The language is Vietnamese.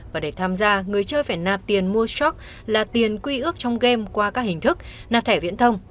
và để tham gia người chơi phải nạp tiền mua shock là tiền quy ước trong game qua các hình thức nạp thẻ viễn thông